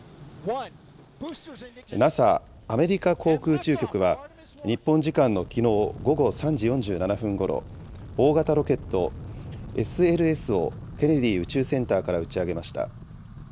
ＮＡＳＡ・アメリカ航空宇宙局は、日本時間のきのう午後３時４７分ごろ、大型ロケット、ＳＬＳをケネディ宇宙センターから打ち上げました。